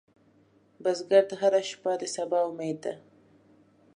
بزګر ته هره شپه د سبا امید ده